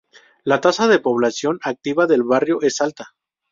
La tasa de población activa del barrio es alta.